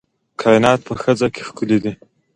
کائنات په ښځه ښکلي دي